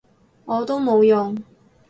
我都冇用